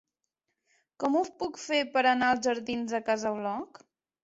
Com ho puc fer per anar als jardins de Casa Bloc?